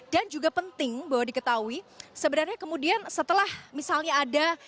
dan juga penting bahwa diketahui sebenarnya kemudian setelah misalnya ada